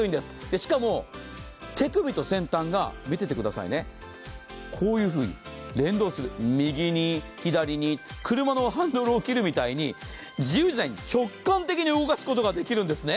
しかも手首と先端がこういうふうに連動する、右に左に車のハンドルを切るみたいに自由自在に、直感的に動かすことができるんですね。